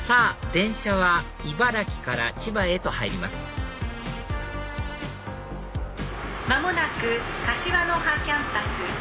電車は茨城から千葉へと入ります間もなく柏の葉キャンパス。